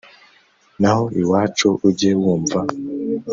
naho iwacu ujye wumva